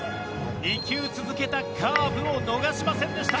２球続けたカーブを逃しませんでした。